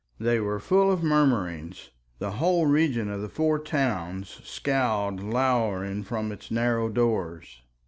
They were full of murmurings: the whole region of the Four Towns scowled lowering from its narrow doors.